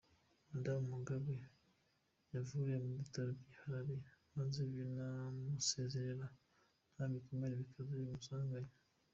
Madamu Mugabe yavuriwe ku bitaro by'i Harare maze binamusezera nta bikomere bikaze bimusanganye.